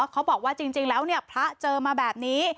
เขาบอกว่าจริงแล้วเนี่ยพระเจอมาแบบนี้